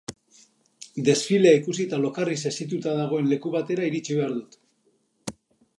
Desfilea ikusi eta lokarriz hesituta dagoen leku batera iritsi behar dut.